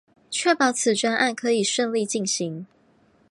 确保此专案可以顺利进行